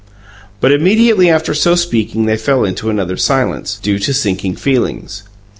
But immediately after so speaking they fell into another silence, due to sinking feelings.